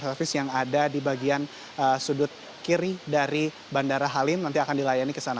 servis yang ada di bagian sudut kiri dari bandara halim nanti akan dilayani ke sana